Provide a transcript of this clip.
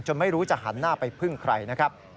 ไม่รู้จะหันหน้าไปพึ่งใครนะครับ